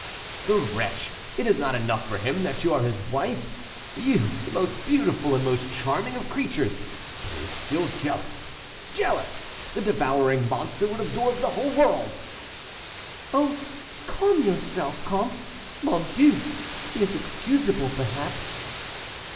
"The wretch; it is not enough for him that you are his wife: you, the most beautiful and most charming of creatures, but he is still jealous. Jealous! The devouring monster would absorb the whole world!" "Oh! calm yourself, comte; mon Dieu; he is excusable, perhaps."